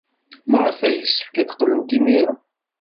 Maɣef ay yessefk ad qqlent imir-a?